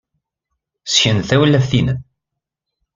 Ssken-d tawlaft-nnem.